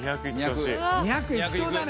２００いきそうだね。